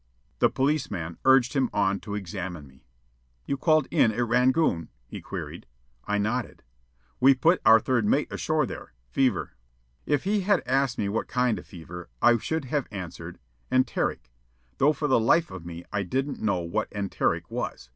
The policeman urged him on to examine me. "You called in at Rangoon?" he queried. I nodded. "We put our third mate ashore there. Fever." If he had asked me what kind of fever, I should have answered, "Enteric," though for the life of me I didn't know what enteric was.